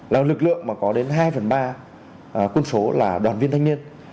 là lực lượng mà có đến hai phần ba quân số là đoàn viên thanh niên